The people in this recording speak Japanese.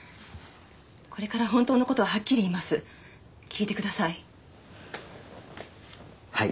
これから本当のことをはっきり言います聞いてください